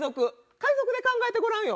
海賊で考えてごらんよ。